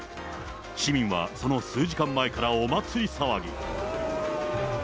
市民はその数時間前からお祭り騒ぎ。